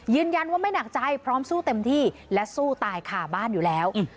ยืนยันว่าไม่หนักใจพร้อมสู้เต็มที่และสู้ตายขาบ้านอยู่แล้ว